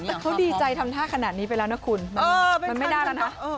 แต่เขาดีใจทำท่าขนาดนี้ไปแล้วนะคุณมันไม่ได้แล้วนะ